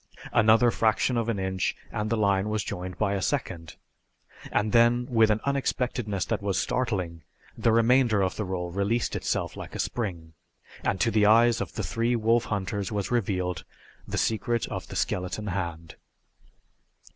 Another fraction of an inch and the line was joined by a second, and then with an unexpectedness that was startling the remainder of the roll released itself like a spring and to the eyes of the three wolf hunters was revealed the secret of the skeleton hand.